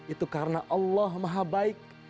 itu karena allah maha baik